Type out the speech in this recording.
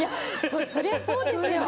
そりゃそうですよ。